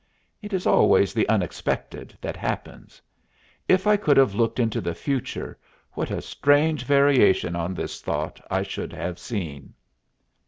It is always the unexpected that happens. If I could have looked into the future, what a strange variation on this thought I should have seen!